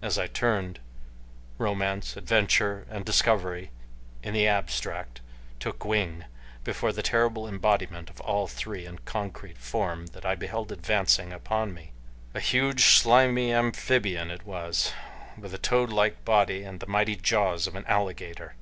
As I turned, romance, adventure, and discovery in the abstract took wing before the terrible embodiment of all three in concrete form that I beheld advancing upon me. A huge, slimy amphibian it was, with toad like body and the mighty jaws of an alligator.